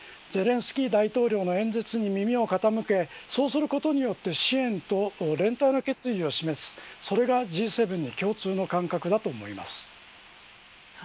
ゼレンスキー大統領の演説に耳を傾けそうすることによって支援と連帯の決意を示すそれがＧ７の共通の感覚だと思います。